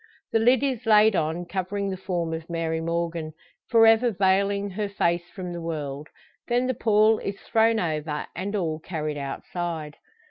The lid is laid on, covering the form of Mary Morgan for ever veiling her face from the world. Then the pall is thrown over, and all carried outside.